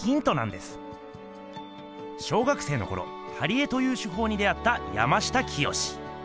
小学生のころ貼り絵という手法に出会った山下清。